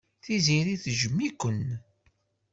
Tiziri tejjem-iken.